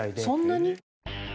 そんなに？